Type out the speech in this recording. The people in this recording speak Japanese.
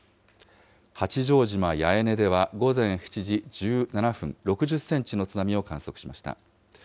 八丈島八重根では午前７時１７分、６０センチの津波を観測しました。